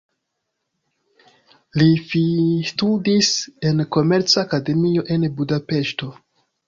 Li finstudis en komerca akademio, en Budapeŝto.